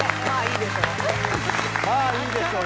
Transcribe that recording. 「まあいいでしょう」